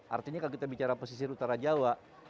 artinya kalau kita bicara pesisir utara jawa